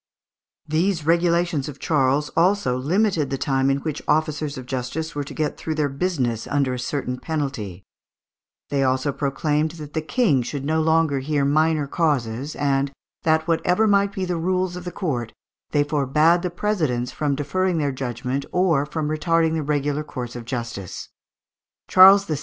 These regulations of Charles also limited the time in which officers of justice were to get through their business under a certain penalty; they also proclaimed that the King should no longer hear minor causes, and that, whatever might be the rules of the court, they forbad the presidents from deferring their judgment or from retarding the regular course of justice. Charles VI.